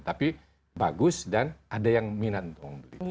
tapi bagus dan ada yang minat untuk membeli